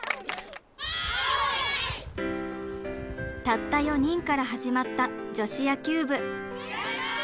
たった４人から始まった女子野球部。